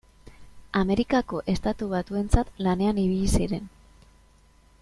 Amerikako Estatu Batuentzat lanean ibili ziren.